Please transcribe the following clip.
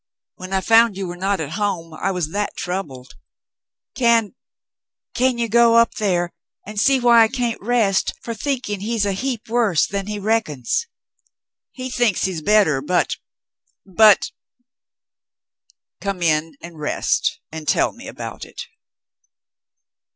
When I found you were not at home, I was that troubled. Can — can you go up there and see why I can't rest for think ing he's a heap worse than he reckons ? He thinks he's better, but — but —" "Come in and rest and tell me about it."